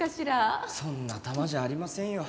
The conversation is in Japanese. そんなタマじゃありませんよ。